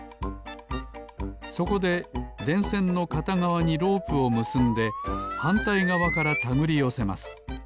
そこででんせんのかたがわにロープをむすんではんたいがわからたぐりよせます。